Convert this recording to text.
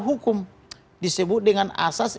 hukum disebut dengan asas